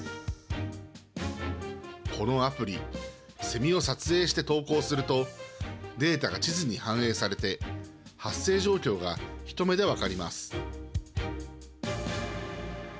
このアプリセミを撮影して投稿するとデータが地図に反映されて発生状況が一目でわかります。